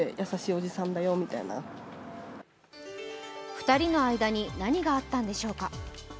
２人の間に何があったんでしょうか。